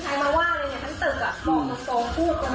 ใครมาว่าเลยอ่ะทั้งตึกอ่ะ